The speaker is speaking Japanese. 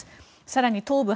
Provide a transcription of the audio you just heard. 更に、東部